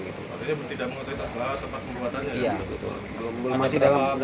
maksudnya tidak mau ditambah tempat pembuatannya